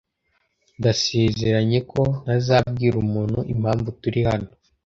Ndasezeranye ko ntazabwira umuntu impamvu turi hano